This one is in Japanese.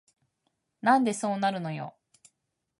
なんでそうなるのよ